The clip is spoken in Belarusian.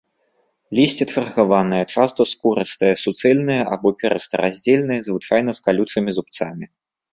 Лісце чаргаванае, часта скурыстае, суцэльнае або перыста-раздзельнае, звычайна з калючымі зубцамі.